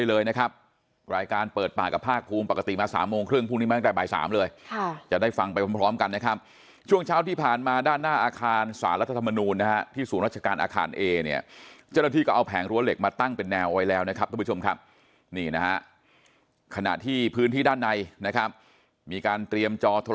เลยนะครับรายการเปิดปากกับภาคภูมิปกติมาสามโมงครึ่งพรุ่งนี้มาตั้งแต่บ่ายสามเลยค่ะจะได้ฟังไปพร้อมพร้อมกันนะครับช่วงเช้าที่ผ่านมาด้านหน้าอาคารสารรัฐธรรมนูลนะฮะที่ศูนย์ราชการอาคารเอเนี่ยเจ้าหน้าที่ก็เอาแผงรั้วเหล็กมาตั้งเป็นแนวไว้แล้วนะครับทุกผู้ชมครับนี่นะฮะขณะที่พื้นที่ด้านในนะครับมีการเตรียมจอโทร